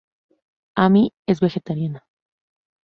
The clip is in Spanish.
Amy es vegetariana.